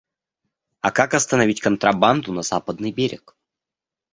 А как остановить контрабанду на Западный берег?